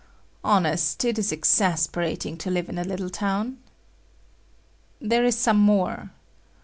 Honest, it is exasperating to live in a little town. There is some more.